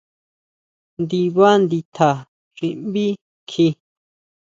Ndibá nditja xi nbí kji.